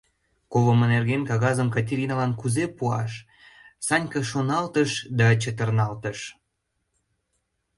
Колымо нерген кагазым Катериналан кузе пуаш, Санька шоналтыш да чытырналтыш.